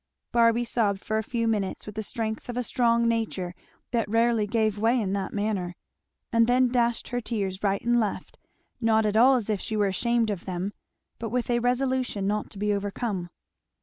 Barby sobbed for a few minutes with the strength of a strong nature that rarely gave way in that manner; and then dashed her tears right and left, not at all as if she were ashamed of them, but with a resolution not to be overcome.